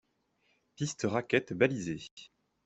Pistes raquettes balisées.